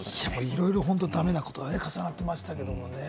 いろいろだめなことが重なっていましたけどね。